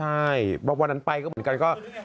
ใช่วันนั้นไปก็เหมือนกันก็